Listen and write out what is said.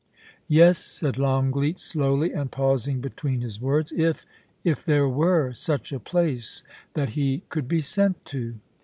* 'Yes,' said Longleat slowly^ and pausing between his words. ' If — if there were — such a place — that he could be sent to.'